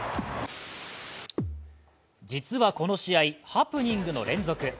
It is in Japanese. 実はこの試合、ハプニングの連続。